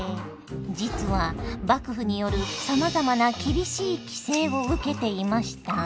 実は幕府によるさまざまな厳しい規制を受けていました。